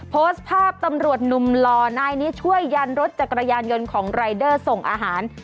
โพสต์ภาพตำรวจหนุ่มหล่อนายนี้ช่วยยันรถจักรยานยนต์ของรายเดอร์ส่งอาหาร